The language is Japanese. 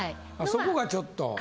そこがちょっと。